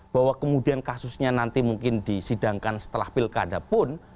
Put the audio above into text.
bahwa kemudian kasusnya nanti mungkin disidangkan setelah pilkada pun